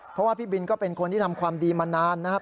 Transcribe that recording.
เพราะว่าพี่บินก็เป็นคนที่ทำความดีมานานนะครับ